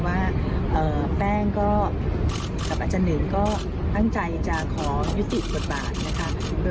ว่าแป้งก็กับอาจารย์หนึ่งก็ตั้งใจจะขอยุติบทบาทนะคะ